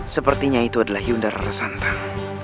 sepertinya itu adalah hyundai rara santan